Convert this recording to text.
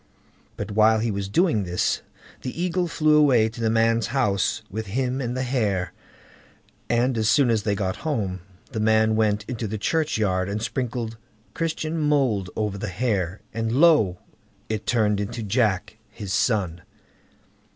But while he was doing this, the Eagle flew away to the man's house with him and the hare, and as soon as they got home, the man went into the churchyard and sprinkled Christian mould over the hare, and lo! it turned into "Jack", his son.